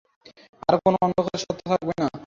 আর কোনো অন্ধকার সত্ত্বা থাকবে না।